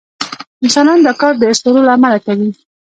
انسانان دا کار د اسطورو له امله کوي.